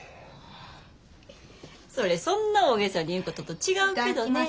それそんな大げさに言うことと違うけどね。